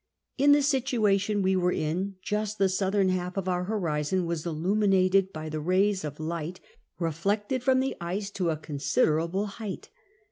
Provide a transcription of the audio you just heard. In the situation we were in, just the southern half of our horizon was illuminated by the rays of light reflected from the ice to a considerable height.